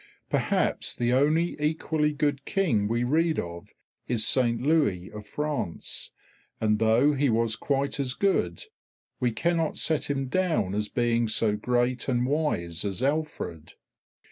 Perhaps the only equally good King we read of is Saint Louis of France; and though he was quite as good, we cannot set him down as being so great and wise as Alfred.